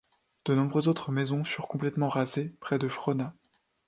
De nombreuses autres maisons furent complètement rasées près de Frohna.